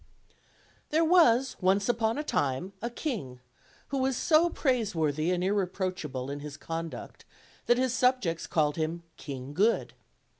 THERE was once upon a time a king who was so praise worthy and irreproachable in his conduct that his sub jects called him "King Good.'